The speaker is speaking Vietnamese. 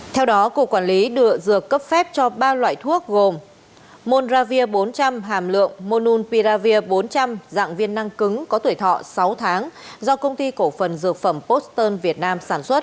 theo đó cục quản lý được dược cấp phép cho ba loại thuốc gồm monuravir bốn trăm linh hàm lượng monupiravir bốn trăm linh dạng viên năng cứng có tuổi thọ sáu tháng do công ty cổ phần dược phẩm posten việt nam sản xuất